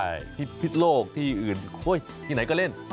ใช่พิษโลกที่อื่นที่ไหนก็เล่น